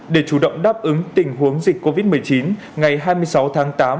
để chủ động đáp ứng tình huống dịch covid một mươi chín ngày hai mươi sáu tháng tám